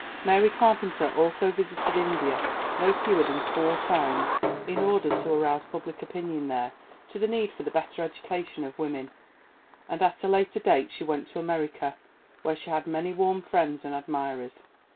Mary Carpenter also visited India no fewer than four times in order to arouse public opinion there to the need for the better education of women, and at a later date she went to America, where she had many warm friends and admirers.